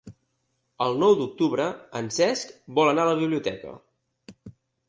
El nou d'octubre en Cesc vol anar a la biblioteca.